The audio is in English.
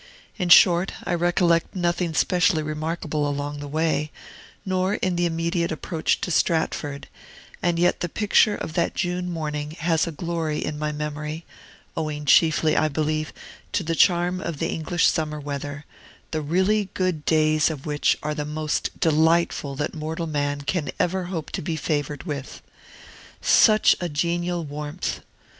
In short, I recollect nothing specially remarkable along the way, nor in the immediate approach to Stratford; and yet the picture of that June morning has a glory in my memory, owing chiefly, I believe, to the charm of the English summer weather, the really good days of which are the most delightful that mortal man can ever hope to be favored with. Such a genial warmth!